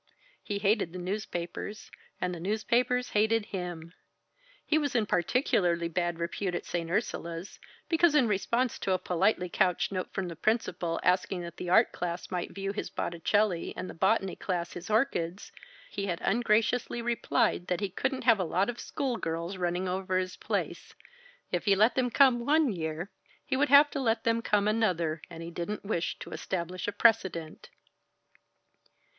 He hated the newspapers, and the newspapers hated him. He was in particularly bad repute at St. Ursula's, because, in response to a politely couched note from the principal, asking that the art class might view his Botticelli and the botany class his orchids, he had ungraciously replied that he couldn't have a lot of school girls running over his place if he let them come one year, he would have to let them come another, and he didn't wish to establish a precedent.